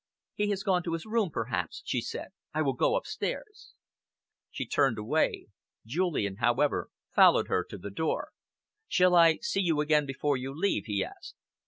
"He has gone to his room perhaps," she said. "I will go upstairs." She turned away. Julian, however, followed her to the door. "Shall I see you again before you leave?" he asked.